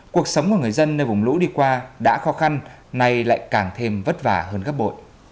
cuộc sống của người dân nơi vùng lũ đi qua đã khó khăn nay lại càng thêm vất vả hơn gấp bội